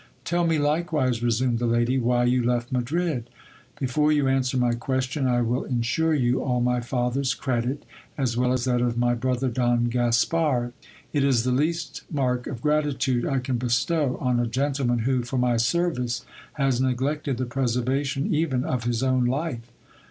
Tell me, likewise, resumed the lady, why you left Madrid. Before you answer my question, I will insure you all my father's credit, as well as that of my brother Don Gaspard. It is the least mark of gratitude I can bestow on a gentleman who, for my service, has neglected the preservation even of his own life.